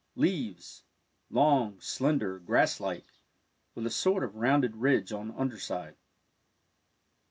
Leaves — long, slender, grass like, with a sort of rounded ridge on under side.